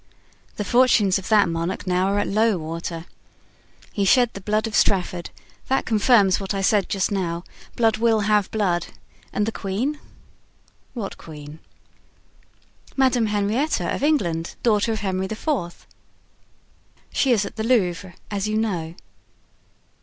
"The fortunes of that monarch now are at low water. He shed the blood of Strafford; that confirms what I said just now—blood will have blood. And the queen?" "What queen?" "Madame Henrietta of England, daughter of Henry IV." "She is at the Louvre, as you know."